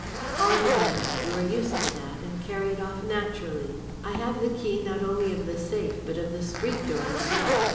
"All the better. You are used to that, and carry it off naturally. I have the key not only of the safe but of the street door as well.